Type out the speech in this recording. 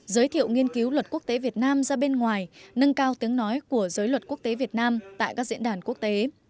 giới thiệu nghiên cứu luật quốc tế việt nam ra bên ngoài nâng cao tiếng nói của giới luật quốc tế việt nam tại các diễn đàn quốc tế